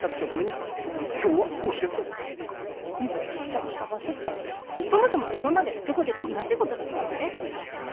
職探しってそもそも今までどこでどんな仕事してたわけ？